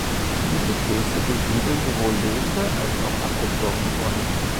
Diese Pilze besiedeln sowohl lebende als auch abgestorbene Bäume.